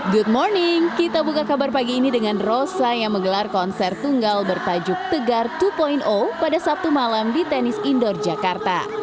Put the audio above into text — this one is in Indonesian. good morning kita buka kabar pagi ini dengan rosa yang menggelar konser tunggal bertajuk tegar dua pada sabtu malam di tenis indoor jakarta